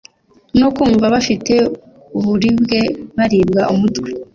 no kumva bafite uburibwe baribwa umutwe